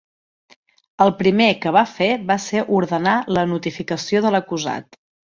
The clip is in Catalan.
El primer que va fer va ser ordenar la notificació de l'acusat.